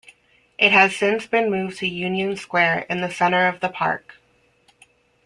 It has since been moved to Union Square in the center of the park.